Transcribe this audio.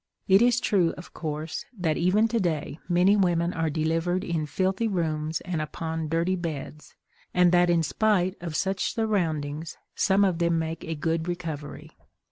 It is true, of course, that even today many women are delivered in filthy rooms and upon dirty beds, and that in spite of such surroundings some of them make a good recovery.